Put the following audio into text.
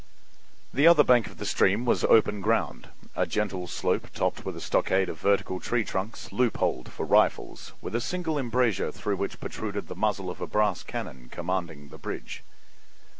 The other bank of the stream was open ground—a gentle slope topped with a stockade of vertical tree trunks, loopholed for rifles, with a single embrasure through which protruded the muzzle of a brass cannon commanding the bridge.